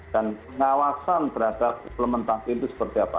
dan pengawasan terhadap implementasi itu seperti apa